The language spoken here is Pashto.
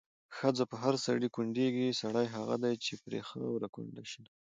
ښځه په هر سړي کونډيږي، سړی هغه دی چې پرې خاوره کونډه شينه